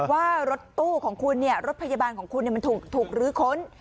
ว่ารถตู้ของคุณรถพยาบาลของคุณมันถูกลื้อค้น